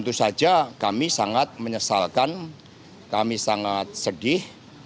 tentu saja kami sangat menyesalkan kami sangat sedih